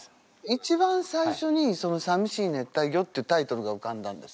一番最初に「淋しい熱帯魚」っていうタイトルがうかんだんです。